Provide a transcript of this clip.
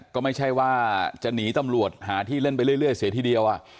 ก็ไม่ใช่ว่าจะหนีตำรวจหาที่เล่นไปเรื่อยเสียทีเดียว